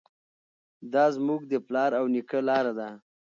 دا زموږ د پلار او نیکه لاره ده.